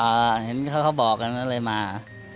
ก็เห็นเขาบอกกันแล้วเลยมา